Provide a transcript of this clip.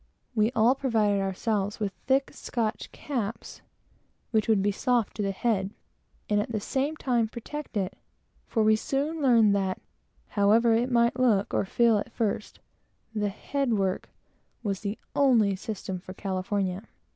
We all provided ourselves with thick Scotch caps, which would be soft to the head, and at the same time protect it; for we soon found that however it might look or feel at first the "head work" was the only system for California.